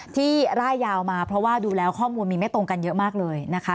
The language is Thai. ร่ายยาวมาเพราะว่าดูแล้วข้อมูลมีไม่ตรงกันเยอะมากเลยนะคะ